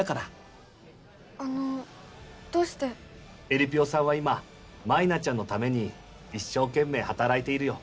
えりぴよさんは今舞菜ちゃんのために一生懸命働いているよ